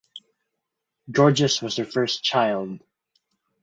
Georges was their first child.